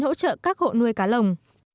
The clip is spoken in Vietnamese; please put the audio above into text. hỗ trợ các hộ nuôi cá lồng